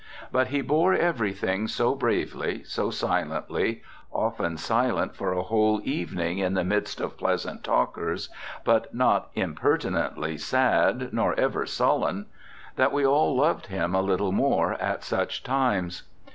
But he bore everything so bravely, so silently, often silent for a whole evening in the midst of pleasant talkers, but not impertinently sad, nor ever sullen, that we all loved him a little more at such times.